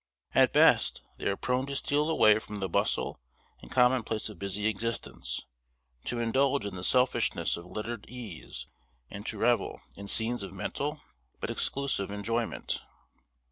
At best, they are prone to steal away from the bustle and commonplace of busy existence; to indulge in the selfishness of lettered eas; and to revel in scenes of mental, but exclusive enjoyment.